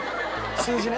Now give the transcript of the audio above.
数字ね。